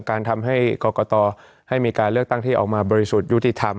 การทำให้กรกตให้มีการเลือกตั้งที่ออกมาบริสุทธิ์ยุติธรรม